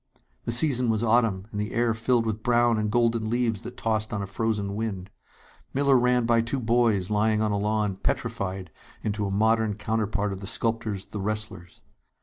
The season was autumn, and the air filled with brown and golden leaves that tossed on a frozen wind. Miller ran by two boys lying on a lawn, petrified into a modern counterpart of the sculptor's "The Wrestlers."